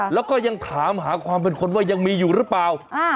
แล้วก็ยังถามหาความเป็นคนว่ายังมีอยู่หรือเปล่า